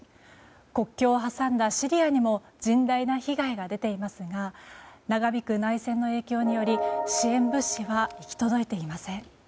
国境を挟んだシリアにも甚大な被害が出ていますが長引く内戦の影響により支援物資は行き届いていません。